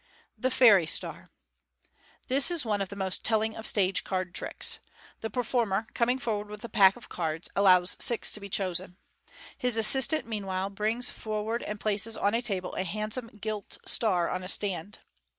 The Fairy Star. — This is one of the most telling of stage card tricks. The performer, coming forward with a pack of cards, allows six to be chosen. His assistant meanwhile brings forward and places on a table a handsome gilt " star " on a stand.